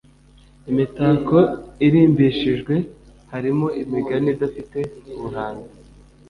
Imitako irimbishijwe harimo imigani idafite ubuhanzi